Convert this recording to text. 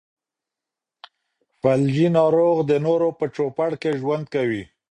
فلجي ناروغ د نورو په چوپړ کې ژوند کوي.